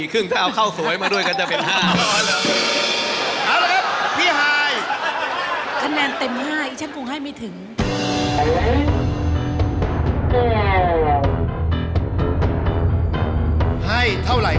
คือเกินดาวน์ไปเลย